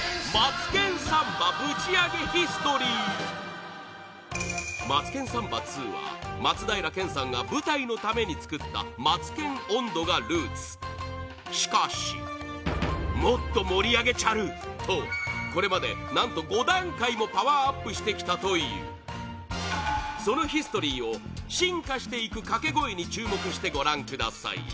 そこで「マツケンサンバ２」は松平健さんが舞台のために作った「松健音頭」がルーツしかしもっと盛り上げちゃる！とこれまで何と５段階もパワーアップしてきたというそのヒストリーを進化していくかけ声に注目してご覧ください